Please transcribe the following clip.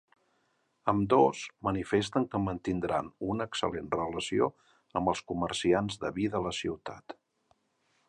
Ambdós, manifesten que mantindran una excel·lent relació amb els comerciants de vi de la ciutat.